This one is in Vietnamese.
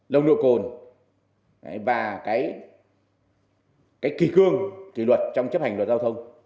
đồ cồn và cái kỳ cương kỳ luật trong chấp hành luật giao thông